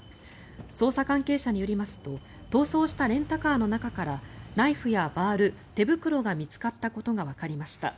捜査関係者によりますと逃走したレンタカーの中からナイフやバール、手袋が見つかったことがわかりました。